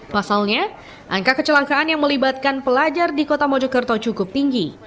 pasalnya angka kecelakaan yang melibatkan pelajar di kota mojokerto cukup tinggi